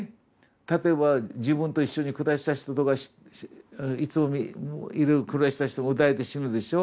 例えば自分と一緒に暮らした人とかいつもいる暮らした人撃たれて死ぬでしょ